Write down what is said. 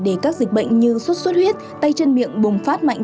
để các dịch bệnh như sốt xuất huyết tay chân miệng bùng phát mạnh